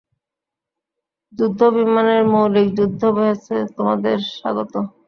যুদ্ধ বিমানের মৌলিক যুদ্ধাভ্যাসে তোমাদের স্বাগত।